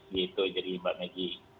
gitu jadi mbak maggie